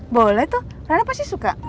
boleh tuh rana pasti suka